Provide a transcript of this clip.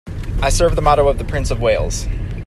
I serve the motto of the Prince of Wales.